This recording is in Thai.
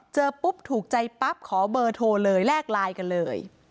เจอปุ๊บถูกใจปั๊บขอเบอร์โทรเลยแลกไลน์กันเลย